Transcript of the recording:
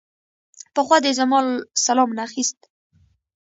پخوا دې زما سلام نه اخيست.